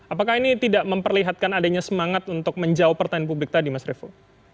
apakah ini tidak memperlihatkan adanya semangat untuk menjawab pertanyaan publik tadi mas revo